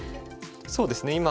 そうですね